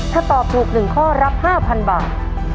ถ้าตอบถูก๑ข้อรับ๕๐๐๐บาท